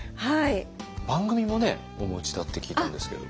番組もねお持ちだって聞いたんですけれども。